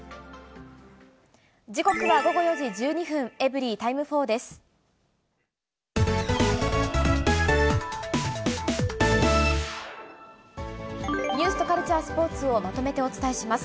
時刻は午後４時１２分、エブリィタイム４です。